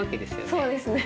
そうですね。